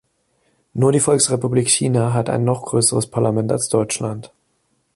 Nur die Volksrepublik China hat ein noch größeres Parlament als Deutschland.